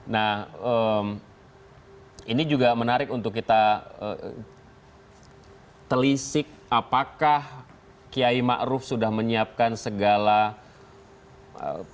nah ini juga menarik untuk kita telisik apakah kiai makruf sudah menyiapkan segala persyaratan